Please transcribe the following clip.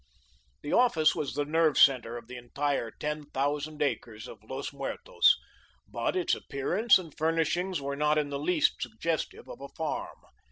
The office was the nerve centre of the entire ten thousand acres of Los Muertos, but its appearance and furnishings were not in the least suggestive of a farm.